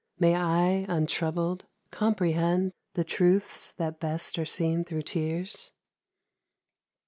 May I, untroubled, comprehend The truths that best are seen thro' tears